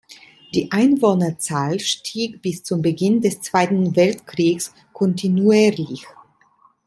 Die Einwohnerzahl stieg bis zum Beginn des Zweiten Weltkriegs kontinuierlich.